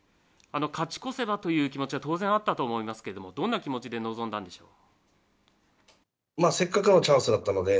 勝ち越せばという気持ちは当然あったと思いますけれどもどんな気持ちで臨んだんでしょう。